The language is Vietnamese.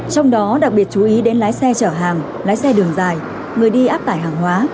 trong đó đặc biệt chú ý đến lái xe chở hàng lái xe đường dài người đi áp tải hàng hóa